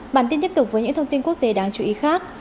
bản tin tiếp tục với những thông tin quốc tế đáng chú ý khác